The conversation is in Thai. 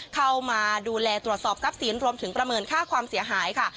เข้ามาดูแลตรวจสอบทรัพย์สินรวมถึงประเมินค่าความเสียหายค่ะ